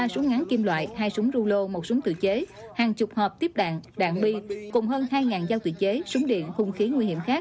ba súng ngắn kim loại hai súng rô lô một súng tự chế hàng chục hộp tiếp đạn đạn bi cùng hơn hai dao tự chế súng điện hung khí nguy hiểm khác